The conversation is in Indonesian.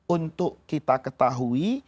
untuk kita ketahui